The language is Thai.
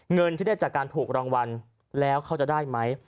เงินที่ได้จากการถูกรางวัลแล้วเขาจะได้ไหม